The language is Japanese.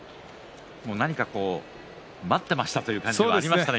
何か待ってましたという感じがありましたね